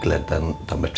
kelantan tamat sakit